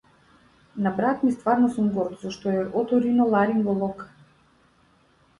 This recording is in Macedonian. На брат ми стварно сум горд зашто е оториноларинголог.